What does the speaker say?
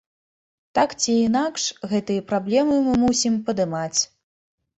Так ці інакш, гэтыя праблемы мы мусім падымаць.